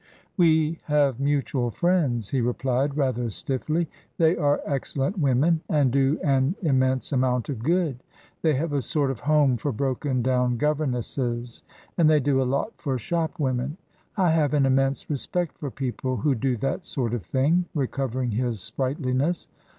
"We have mutual friends," he replied, rather stiffly. "They are excellent women, and do an immense amount of good. They have a sort of home for broken down governesses, and they do a lot for shop women. I have an immense respect for people who do that sort of thing," recovering his sprightliness.